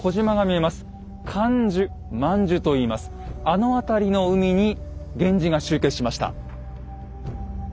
あの辺りの海に源氏が集結しました。